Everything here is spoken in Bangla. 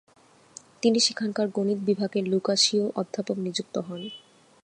তিনি সেখানকার গণিত বিভাগের লুকাসীয় অধ্যাপক নিযুক্ত হন।